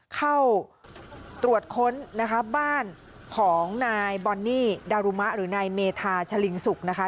เข้าตรวจค้นนะคะบ้านของนายบอนนี่ดารุมะหรือนายเมธาชะลิงสุกนะคะ